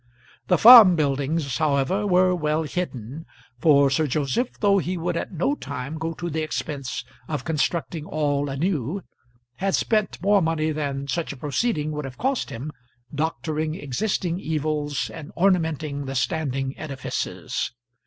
The farm buildings, however, were well hidden, for Sir Joseph, though he would at no time go to the expense of constructing all anew, had spent more money than such a proceeding would have cost him doctoring existing evils and ornamenting the standing edifices.